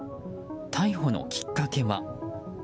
逮捕のきっかけは。